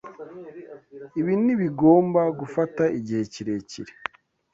Ibi ntibigomba gufata igihe kirekire.